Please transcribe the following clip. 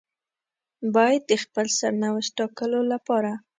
بايد د خپل سرنوشت ټاکلو لپاره.